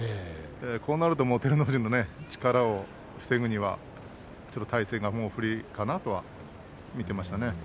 こうなると照ノ富士の力を防ぐには、もう体勢が不利かなと見ていましたね。